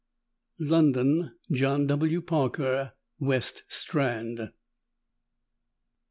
LONDON: JOHN W. PARKER, WEST STRAND. M.DCCC.